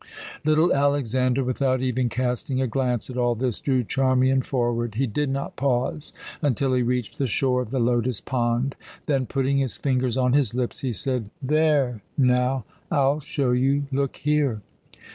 Little Alexander, without even casting a glance at all this, drew Charmian forward. He did not pause until he reached the shore of the lotus pond; then, putting his fingers on his lips, he said: "There, now, I'll show you. Look here!"